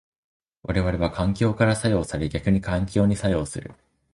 我々は環境から作用され逆に環境に作用する。